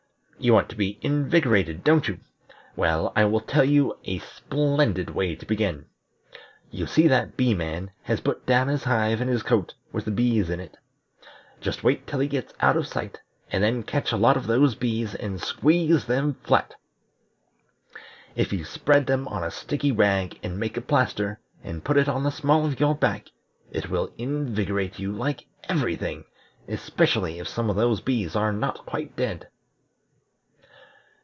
You want to be invigorated, don't you? Well, I will tell you a splendid way to begin. You see that Bee man has put down his hive and his coat with the bees in it. Just wait till he gets out of sight, and then catch a lot of those bees, and squeeze them flat. If you spread them on a sticky rag, and make a plaster, and put it on the small of your back, it will invigorate you like every thing, especially if some of the bees are not quite dead."